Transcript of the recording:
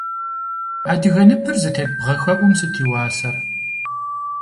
Адыгэ ныпыр зытет бгъэхэӏум сыт и уасэр?